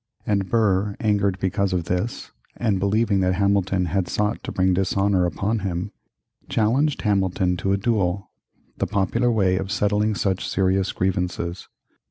And Burr, angered because of this, and believing that Hamilton had sought to bring dishonor upon him, challenged Hamilton to a duel the popular way of settling such serious grievances.